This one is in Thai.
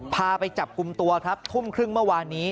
พาไปจับกลุ่มตัวครับทุ่มครึ่งเมื่อวานนี้